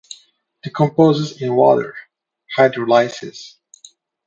Decomposes in water (hydrolysis).